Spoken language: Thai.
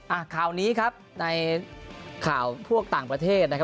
อ่ะข่าวนี้ครับในข่าวพวกต่างประเทศนะครับ